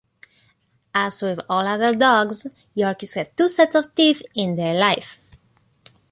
As with all other dogs, Yorkies have two sets of teeth in their life.